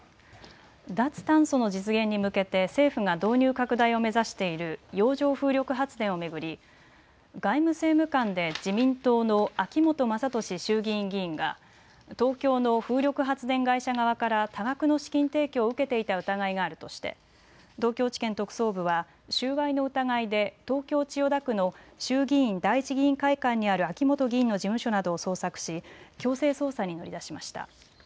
脱炭素の実現に向けて政府が導入拡大を目指している洋上風力発電を巡り外務政務官で自民党の秋本真利衆議院議員が東京の風力発電会社側から多額の資金提供を受けていた疑いがあるとして東京地検特捜部は収賄の疑いで東京千代田区の衆議院第一議員会館にある秋本議員の事務所などを捜索し強制捜査に乗り出しました。